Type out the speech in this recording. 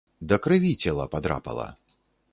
Да крыві цела падрапала.